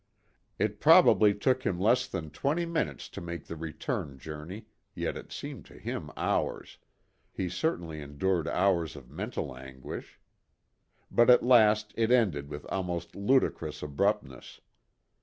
It probably took him less than twenty minutes to make the return journey, yet it seemed to him hours he certainly endured hours of mental anguish. But at last it ended with almost ludicrous abruptness.